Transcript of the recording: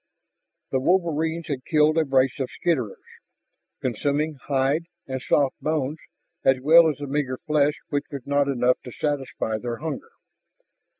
The wolverines had killed a brace of skitterers, consuming hide and soft bones as well as the meager flesh which was not enough to satisfy their hunger.